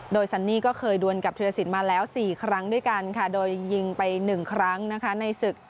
โดยซันนี่ก็เคยดวนกับธิรสินมาแล้ว๔ครั้งด้วยกันค่ะโดยยิงไป๑ครั้งนะคะในศึก